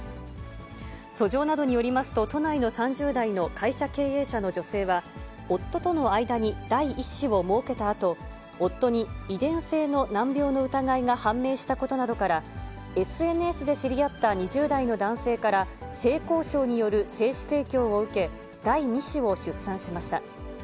訴状などによりますと、都内の３０代の会社経営者の女性は、夫との間に第１子を設けたあと、夫に遺伝性の難病の疑いが判明したことなどから、ＳＮＳで知り合った２０代の男性から、性交渉による精子提供を受け、第２子を出産しました。